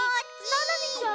ななみちゃん？